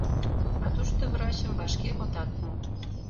А тушто врачым вашке отат му.